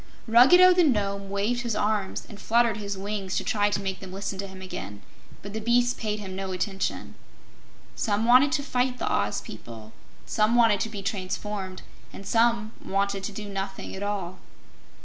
Ruggedo the Nome waved his arms and fluttered his wings to try to make them listen to him again, but the beasts paid no attention. Some wanted to fight the Oz people, some wanted to be transformed, and some wanted to do nothing at all.